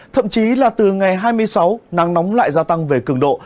thậm chí là từ ngày hai mươi sáu nắng nóng lại gia tăng về cường độ